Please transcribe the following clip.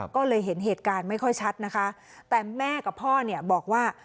ก็เลยเห็นเหตุการณ์ไม่ค่อยชัดนะคะแต่แม่กับพ่อเนี่ยบอกว่า